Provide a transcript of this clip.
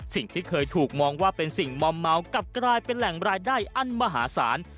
สิ่งที่เคยถูกมองว่าเป็นสิ่งมอมเมากลับกลายเป็นแหล่งรายได้อันมหาศาล